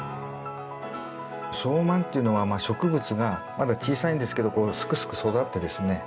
小満というのは植物がまだ小さいんですけどこうすくすく育ってですね